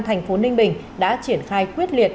thành phố ninh bình đã triển khai quyết liệt